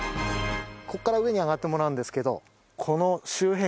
ここから上に上がってもらうんですけど。